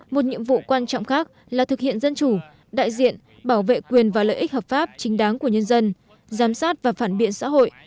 một nhiệm vụ quan trọng khác là thực hiện dân chủ đại diện bảo vệ quyền và lợi ích hợp pháp chính đáng của nhân dân giám sát và phản biện xã hội